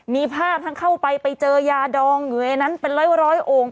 มีภาพทั้งเข้าไปไปเจอยาดองอยู่ในนั้นเป็นร้อยโอ่ง